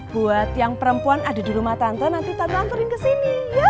buat yang perempuan ada di rumah tante nanti tante anturin kesini